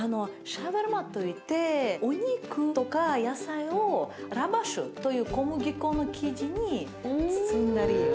シャベルマといってお肉とか野菜をラバシュという小麦粉の生地に包んだり。